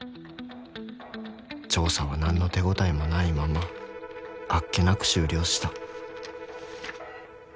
［調査は何の手応えもないままあっけなく終了した］